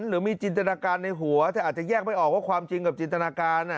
หรือมีจินตนาการในหัวแต่อาจจะแยกไม่ออกว่าความจริงกับจินตนาการ